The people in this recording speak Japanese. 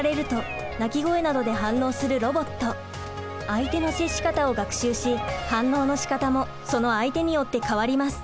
相手の接し方を学習し反応のしかたもその相手によって変わります。